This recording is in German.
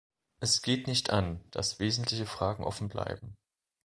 Es geht nicht an, dass wesentliche Fragen offenbleiben.